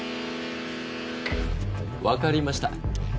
わかりました。